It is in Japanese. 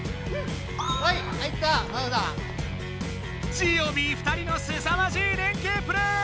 ジオビー２人のすさまじいれんけいプレー！